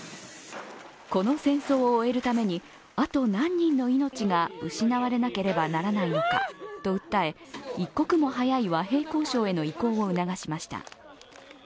この戦争を終えるためにあと何人の命が失われなければならないのかと訴え、一刻も早い和平交渉への移行を促しました。